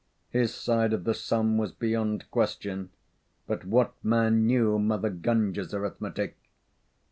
His side of the sum was beyond question; but what man knew Mother Gunga's arithmetic?